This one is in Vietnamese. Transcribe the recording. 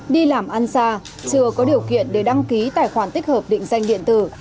đi làm ăn xa chưa có điều kiện để đăng ký tài khoản tích hợp định danh điện tử